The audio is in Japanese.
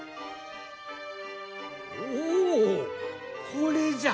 おおこれじゃ。